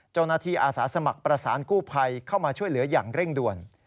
อาสาสมัครประสานกู้ภัยเข้ามาช่วยเหลืออย่างเร่งด่วน